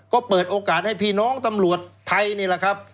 ก็เปิดโอกาสให้พี่น้องตำรวจไทยนี่แหละครับ